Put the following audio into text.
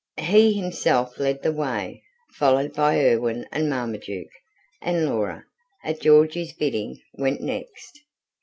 He himself led the way, followed by Erwin and Marmaduke, and Laura, at Georgy's bidding, went next.